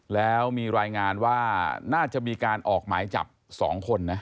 แล้วมีรายงานว่าน่าจะมีการออกหมายจับ๒คนนะ